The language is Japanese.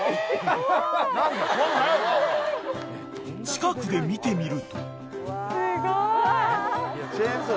［近くで見てみると］